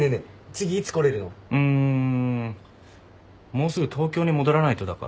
もうすぐ東京に戻らないとだから。